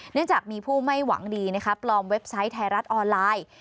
เนื่องจากมีผู้ไม่หวังดีนะคะปลอมเว็บไซต์ไทยรัฐออนไลน์